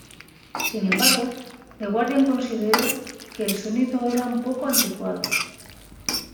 Sin embargo, The Guardian consideró que el sonido era "un poco anticuado".